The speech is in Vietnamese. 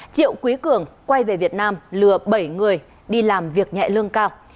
triệu quý cường quay về việt nam lừa bảy người đi làm việc nhẹ lương cao